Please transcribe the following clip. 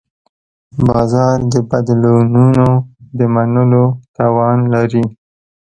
بازار د بدلونونو د منلو توان لري.